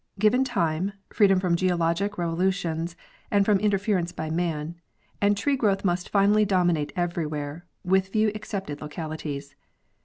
Given time, freedom from geologic revolutions and from interference by» man, and tree growth must finally dominate everywhere, with few excepted localities.